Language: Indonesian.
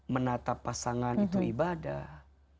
menatap pasangan itu ibadah